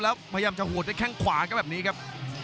แล้วพยายามจะหูดได้แค่งควาก็แบบนี้ครับ